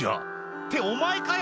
「ってお前かよ！